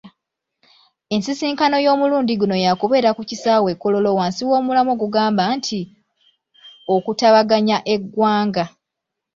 Ensisinkano y'omulundi guno yaakubeera ku kisaawe e Kololo wansi w'omulamwa ogugamba nti, “Okutabaganya eggwanga.”